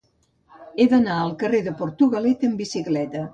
He d'anar al carrer de Portugalete amb bicicleta.